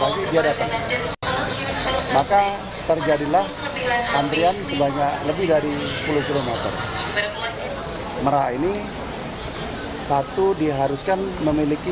lagi dia datang maka terjadilah antrian sebanyak lebih dari sepuluh km merak ini satu diharuskan memiliki